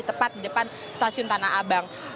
tepat di depan stasiun tanah abang